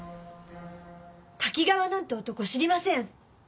多岐川なんて男知りません。